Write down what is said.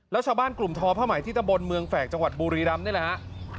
แล้วชาวบ้านกลุ่มทอผ้าใหม่ที่ตำบลเมืองแฝกจังหวัดบุรีรำนี่แหละฮะ